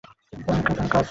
হ্যাঁ, অনেক কাছে।